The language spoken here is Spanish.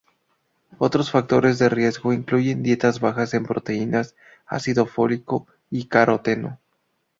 Otros factores de riesgo incluyen dietas bajas en proteínas, ácido fólico y caroteno.